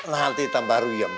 nanti tambah ruyam